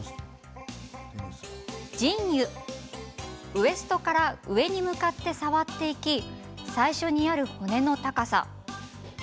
ウエストから上に向かって触っていき最初にある骨の高さ。